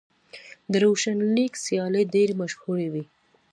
د روشن لیګ سیالۍ ډېرې مشهورې وې.